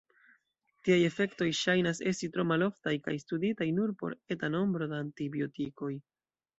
Tiaj efektoj ŝajnas esti tro maloftaj kaj studitaj nur por eta nombro da antibiotikoj.